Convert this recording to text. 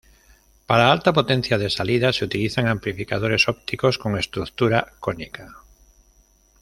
Para alta potencia de salida, se utilizan amplificadores ópticos con estructura cónica.